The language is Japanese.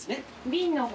瓶の方。